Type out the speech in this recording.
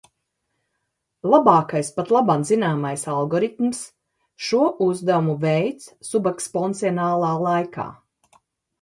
Labākais patlaban zināmais algoritms šo uzdevumu veic subeksponenciālā laikā.